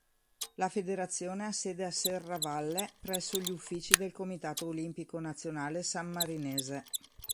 La federazione ha sede a Serravalle presso gli uffici del Comitato Olimpico Nazionale Sammarinese.